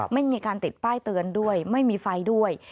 ไม่มีการติดป้ายเตือนด้วยไม่มีไฟด้วย